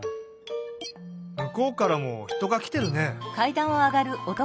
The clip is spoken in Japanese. むこうからもひとがきてるね。